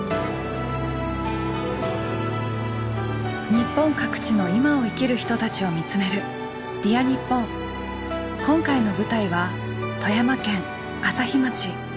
日本各地の今を生きる人たちを見つめる今回の舞台は富山県朝日町。